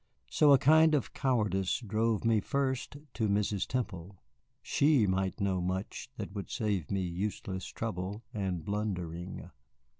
So a kind of cowardice drove me first to Mrs. Temple. She might know much that would save me useless trouble and blundering.